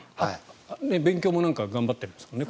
勉強も頑張ってるんですね